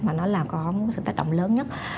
mà nó là có sự tác động lớn nhất